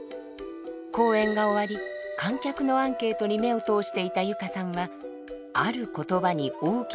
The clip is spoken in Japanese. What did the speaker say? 公演が終わり観客のアンケートに目を通していた佑歌さんはある言葉に大きな衝撃を受けました。